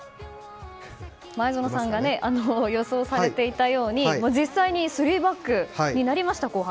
前園さんが予想されていたように実際に後半から３バックになりました。